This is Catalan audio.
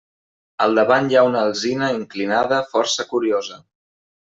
Al davant hi ha una alzina inclinada força curiosa.